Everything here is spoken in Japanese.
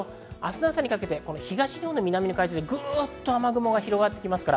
明日の朝にかけて東のほう南の海上にグッと雨雲が広がります。